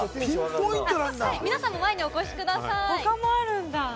皆さんも前にお越しください。